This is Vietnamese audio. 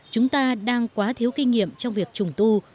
chúng ta đang quá thiếu kinh nghiệm trong việc trùng tu